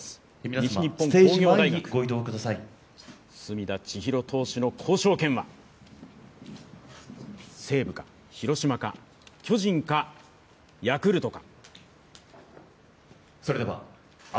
西日本工業大学、隅田知一郎投手の交渉権は西武か広島か巨人かヤクルトか。